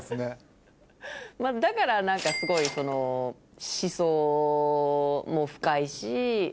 だから何かすごい思想も深いし。